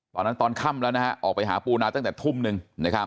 ตอนนั้นตอนค่ำแล้วออกไปหาปูนาตั้งแต่ทุ่มหนึ่ง